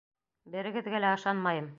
Берегеҙгә лә ышанмайым!